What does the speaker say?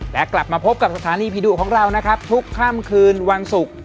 และกลับมาพบกับสถานีผีดุของเรานะครับทุกค่ำคืนวันศุกร์